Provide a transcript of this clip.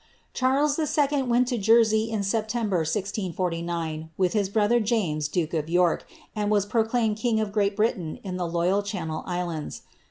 * Charles IL went to Jersey in September, 1049, with his brother James, duke of Yori^ and was proclaimed king of Great Britain in the loyal channel islands.